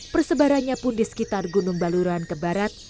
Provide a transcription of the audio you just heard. persebarannya pun di sekitar gunung baluran ke barat